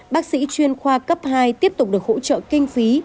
bác sĩ chuyên khoa cấp hai tiếp tục được hỗ trợ kinh phí